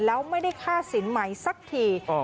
แล้วไม่ได้ค่าสินใหม่สักที